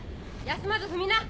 休まず踏みな！